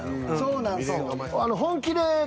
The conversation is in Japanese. そうなんすよ。